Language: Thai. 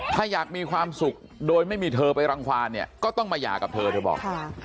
ถ้าอยากมีความสุขโดยไม่มีเธอไปรังความเนี่ยก็ต้องมาหย่ากับเธอเธอบอก